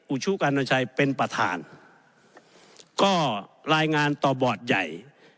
อุชุกัญชัยเป็นประธานก็รายงานต่อบอร์ดใหญ่